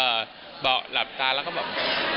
เราถามนะคะแล้วก็แบบบุสีล้าง